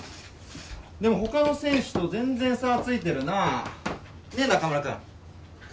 でも、ほかの選手と全然、差、ついてるな。ね、中村君。